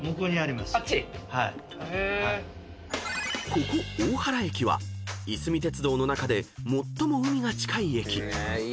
［ここ大原駅はいすみ鉄道の中で最も海が近い駅］